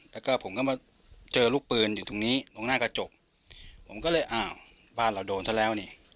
แล้วก็ผมก็มาเจอลูกปืนอยู่ตรงนี้ตรงหน้ากระจกผมก็เลยอ้าวบ้านเราโดนซะแล้วนี่